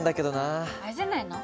あれじゃないの？